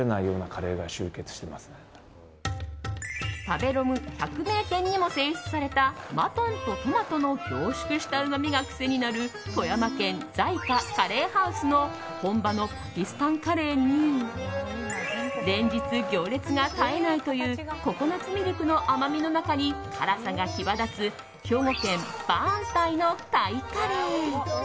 食べログ百名店にも選出されたマトンとトマトの凝縮したうまみが癖になる富山県、ザイカ・カレーハウスの本場のパキスタンカレーに連日行列が絶えないというココナツミルクの甘みの中に辛さが際立つ兵庫県、バーンタイのタイカレー。